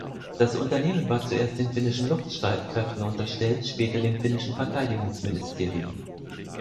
Das Unternehmen war zuerst den finnischen Luftstreitkräften unterstellt, später dem finnischen Verteidigungsministerium.